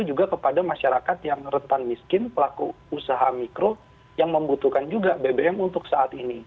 juga kepada masyarakat yang rentan miskin pelaku usaha mikro yang membutuhkan juga bbm untuk saat ini